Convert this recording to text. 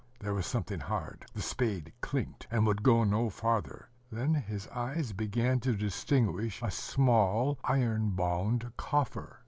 ... There was something hard: the spade clinked, and would go no farther. Then his eyes began to distinguish a small, iron bound coffer.